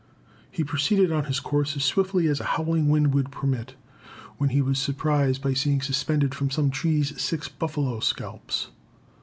He proceeded on his course as swiftly as a howling wind would permit, when he was surprised by seeing suspended from some trees six buffalo scalps.